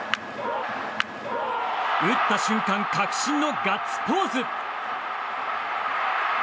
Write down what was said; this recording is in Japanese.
打った瞬間確信のガッツポーズ。